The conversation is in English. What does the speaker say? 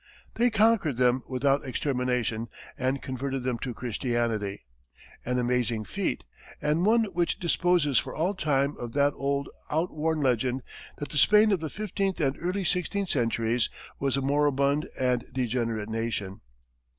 They conquered them without extermination, and converted them to Christianity! An amazing feat, and one which disposes for all time of that old, outworn legend that the Spain of the fifteenth and early sixteenth centuries was a moribund and degenerate nation.